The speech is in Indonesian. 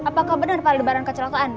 apakah benar pak al debaran kecelakaan